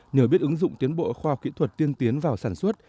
nhờ biết ứng dụng tiến bộ khoa học kỹ thuật tiên tiến vào sản xuất